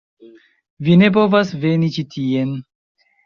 Vi ne povas veni ĉi tien.